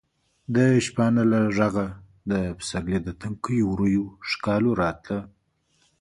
د شپانه له غږه د پسرلي د تنکیو ورویو ښکالو راتله.